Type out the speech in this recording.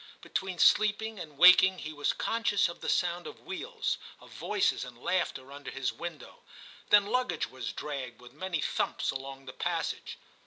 Between sleeping and waking he was con scious of the sound of wheels, of voices and laughter under his window, then luggage was dragged with many thumps along the passage.